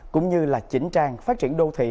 cũng như là chỉnh trang phát triển đô thị